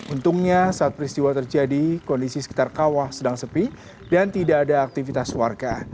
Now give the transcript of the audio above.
untungnya saat peristiwa terjadi kondisi sekitar kawah sedang sepi dan tidak ada aktivitas warga